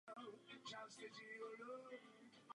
Jsou také vodítkem k tehdejší módě v oblékání.